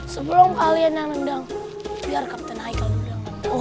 sebelum kalian yang tendang biar kapten haikal yang tendang